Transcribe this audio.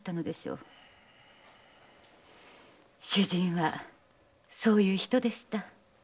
主人はそういう人でした。